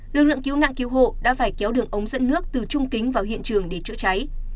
lực lượng cứu nạn cứu hộ đã phải kéo đường ống dẫn nước từ trung kính vào hiện trường để chữa cháy